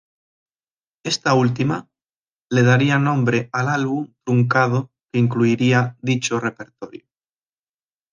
Esta última, le daría nombre al álbum truncado que incluiría dicho repertorio.